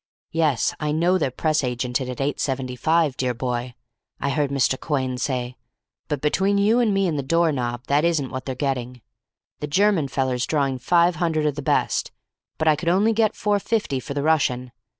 'Yes, I know they're press agented at eight seventy five, dear boy,' I heard Mr. Quhayne say, 'but between you and me and the door knob that isn't what they're getting. The German feller's drawing five hundred of the best, but I could only get four fifty for the Russian.